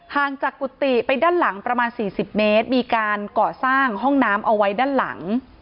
ห่างจากกุฏิไปด้านหลังประมาณ๔๐เมตรมีการก่อสร้างห้องน้ำเอาไว้ด้านหลัง